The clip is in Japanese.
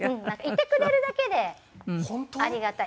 いてくれるだけでありがたい。